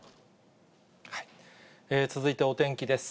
続いてお天気です。